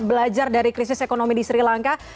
belajar dari krisis ekonomi di sri lanka